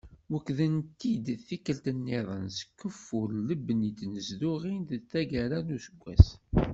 Wekkden-d i tikkelt-nniḍen s keffu n lebni n tnezduɣin deg taggara n useggas.